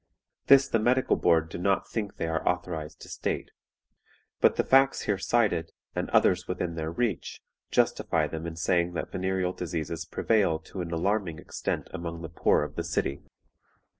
This the Medical Board do not think they are authorized to state. But the facts here cited, and others within their reach, justify them in saying that venereal diseases prevail to an alarming extent among the poor of the city.